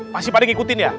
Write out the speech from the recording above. pasti pak adeh ngikutin ya